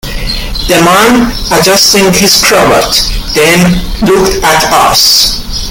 The man, adjusting his cravat, then looked at us.